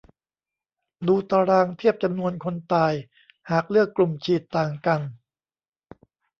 ดูตารางเทียบจำนวนคนตายหากเลือกกลุ่มฉีดต่างกัน